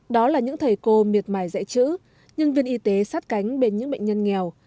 đó là những thầy cô miệt mài dạy chữ nhân viên y tế sát cánh bên những bệnh nhân nghèo